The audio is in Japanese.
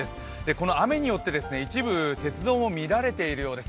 この雨によって一部鉄道も乱れているようです